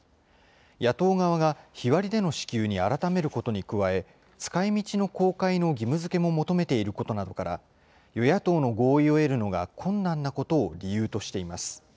野党側が日割りでの支給に改めることに加え、使いみちの公開の義務づけも求めていることなどから、与野党の合意を得るのが困難なことを理由としています。